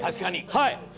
はい。